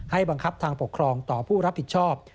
บังคับทางปกครองต่อผู้รับผิดชอบ